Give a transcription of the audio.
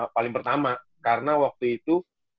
paling pertama karena waktu itu